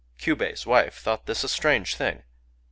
Kyubei's wife thought this a strange thing.